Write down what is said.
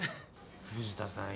藤田さん